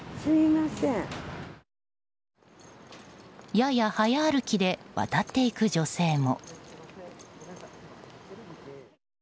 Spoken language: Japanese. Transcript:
やや早歩きで渡っていく女性も。